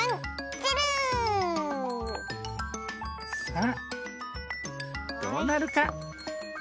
さあどうなるか？